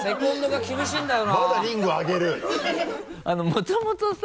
もともとさ。